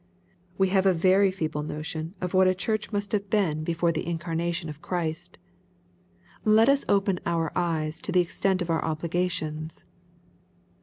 We have a very feeble notion of what a church must have been before LUKE) CHAP. I. 45 the incarnation of Christ. Let us open our eyes to the extent of our obligations.